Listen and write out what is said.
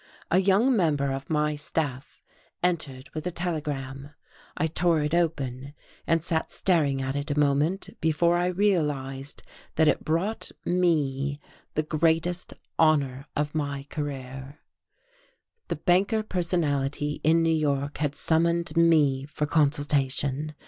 A young member of my staff entered with a telegram; I tore it open, and sat staring at it a moment before I realized that it brought to me the greatest honour of my career. The Banker Personality in New York had summoned me for consultation.